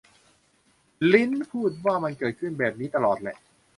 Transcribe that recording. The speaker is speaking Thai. ริ้นพูดว่า มันเกิดขึ้นแบบนี้ตลอดแหละ